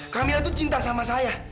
kamila itu cinta sama saya